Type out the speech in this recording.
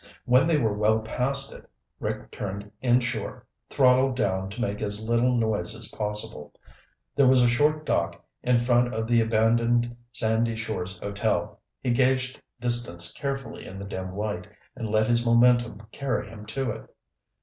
When they were well past it, Rick turned inshore, throttled down to make as little noise as possible. There was a short dock in front of the abandoned Sandy Shores Hotel. He gauged distance carefully in the dim light and let his momentum carry him to it.